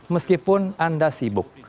meskipun anda sibuk